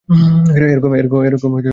এরকম কয়েকটা দিন।